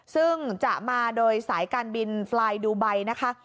ซึ่งจะมาโดยสายการบินฟลายดูไบนะคะ